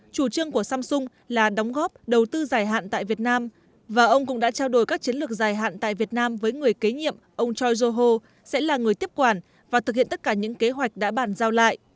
chủ trương của samsung là đóng góp đầu tư dài hạn tại việt nam và ông cũng đã trao đổi các chiến lược dài hạn tại việt nam với người kế nhiệm ông choi joho sẽ là người tiếp quản và thực hiện tất cả những kế hoạch đã bàn giao lại